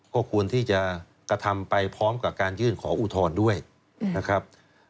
ก็ควรที่จะกระทำไปพร้อมกับการยื่นขออุทธรณ์ด้วยนะครับ